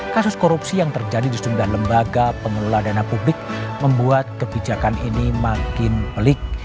kasus korupsi yang terjadi di sejumlah lembaga pengelola dana publik membuat kebijakan ini makin pelik